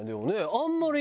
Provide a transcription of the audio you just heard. あんまり。